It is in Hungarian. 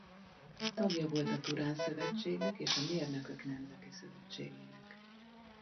Tagja volt a Turán-szövetségnek és a Mérnökök Nemzeti Szövetségének.